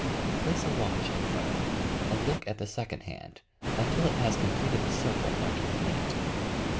Place a watch in front of you, and look at the second hand until it has completed the circle marking the minute.